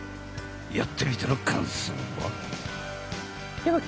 やってみての感想は？